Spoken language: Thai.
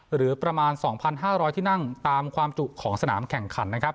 หรือประมาณ๒๕๐๐ที่นั่งตามความจุของสนามแข่งขันนะครับ